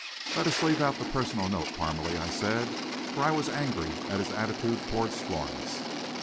"Let us leave out the personal note, Parmalee," I said, for I was angry at his attitude toward Florence.